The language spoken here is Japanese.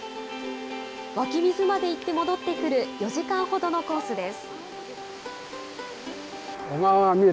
湧き水まで行って戻ってくる４時間ほどのコースです。